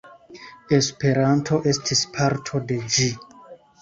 Esperanto estis parto de ĝi.